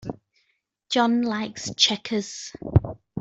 John likes checkers.